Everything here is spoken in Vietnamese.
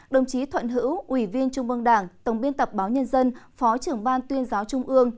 đồng chí thuận hữu ủy viên trung mương đảng tổng biên tập báo nhân dân phó trưởng ban tuyên giáo trung ương